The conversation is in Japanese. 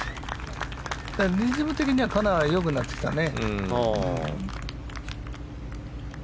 リズム的には金谷は良くなってきたね。